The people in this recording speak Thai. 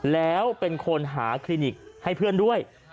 แล้วเป็นคนหาคลินิกให้เพื่อนด้วย